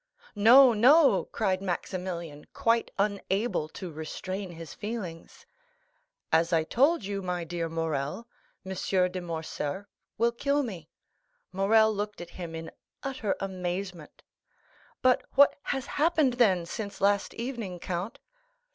"No, no," cried Maximilian, quite unable to restrain his feelings. "As I told you, my dear Morrel, M. de Morcerf will kill me." Morrel looked at him in utter amazement. "But what has happened, then, since last evening, count?"